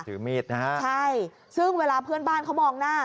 ถือมีดนะฮะใช่ซึ่งเวลาเพื่อนบ้านเขามองหน้า